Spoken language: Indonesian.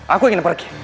aku ingin pergi